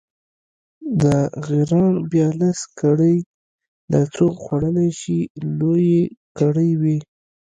د غیراڼ بیا لس کړۍ، دا څوک خوړلی شي، لویې کړۍ وې.